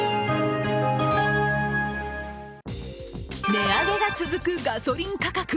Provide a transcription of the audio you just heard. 値上げが続くガソリン価格。